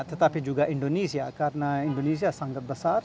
tetapi juga indonesia karena indonesia sangat besar